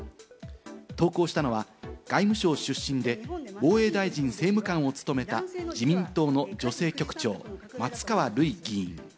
投稿したのは、外務省出身で防衛大臣政務官を務めた自民党の女性局長・松川るい議員。